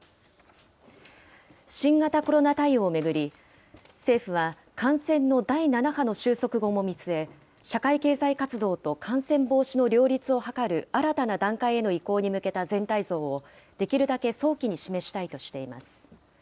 新型コロナ対応を巡り、政府は感染の第７波の収束後も見据え、社会経済活動と感染防止の両立を図る新たな段階への移行に向けた全体像をできるだけ早期に示したいとしています。